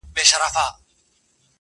زما دي وینه تر هغه زلمي قربان سي،